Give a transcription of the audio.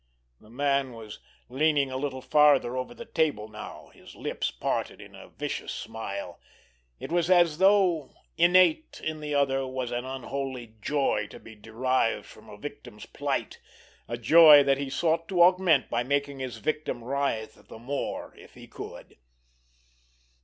The man was leaning a little farther over the table now, his lips parted in a vicious smile. It was as though, innate in the other, was an unholy joy to be derived from a victim's plight, a joy that he sought to augment by making his victim writhe the more if he could.